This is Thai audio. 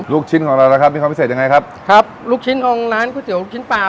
ลูกชิ้นของเรานะครับมีความพิเศษยังไงครับครับลูกชิ้นองค์ร้านก๋วยเตี๋ยวลูกชิ้นปลา